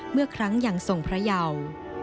เมื่อครั้งยังทรงพระเยา